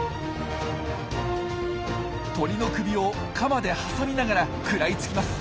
鳥の首をカマで挟みながら食らいつきます。